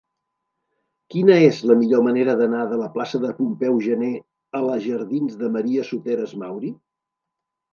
Quina és la millor manera d'anar de la plaça de Pompeu Gener a la jardins de Maria Soteras Mauri?